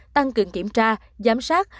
tăng cường kiểm tra giám sát